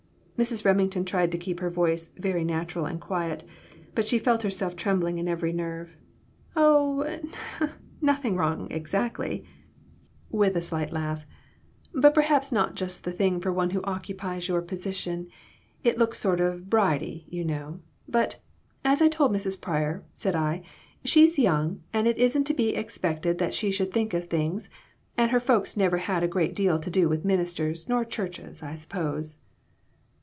Mrs. Remington tried to keep her voice natural and quiet ; but she felt herself trembling in every nerve. "Oh, nothing wrong, exactly," with a slight BONNETS, AND BURNS, AND BURDENS. 95 laugh; "but perhaps not just the thing for one who occupies your position. It looks so sort of bridey, you know. But, as I told Mrs. Pryor, said I, ' she's young, and it isn't to be expected that she should think of things; and her folks never had a great deal to do with ministers nor churches, I suppose.'